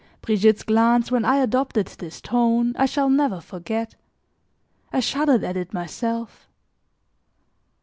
Brigitte's glance when I adopted this tone, I shall never forget; I shuddered at it myself.